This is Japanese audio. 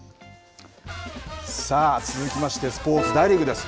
続きまして、スポーツ、大リーグです。